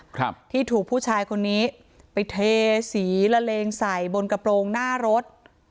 ครับที่ถูกผู้ชายคนนี้ไปเทสีละเลงใส่บนกระโปรงหน้ารถ